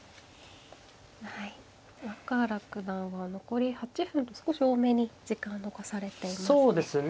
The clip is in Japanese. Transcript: はい今深浦九段は残り８分と少し多めに時間を残されていますね。